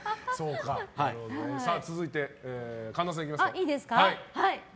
続いて、神田さんいきますか。